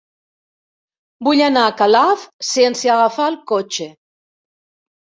Vull anar a Calaf sense agafar el cotxe.